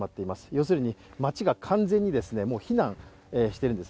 要するに、街が完全に避難しているんです。